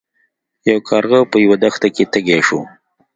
یو کارغه په یوه دښته کې تږی شو.